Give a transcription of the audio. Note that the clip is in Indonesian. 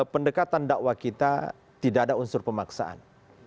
pendekatan dakwah kita tidak ada unsur pemaksaan